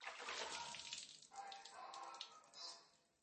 Washington alikuwa miongoni mwa wawakilishi la bunge la Amerika